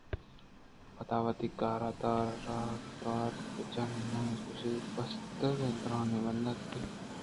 پدا وتی کار دار ءَ را توار پِر جنان ءَ گوٛشت بستگیں دارانی بَندُکے بیار